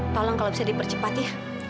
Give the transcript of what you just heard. tolong kalau bisa dipercepat ya